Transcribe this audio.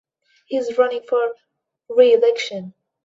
He is running for reelection.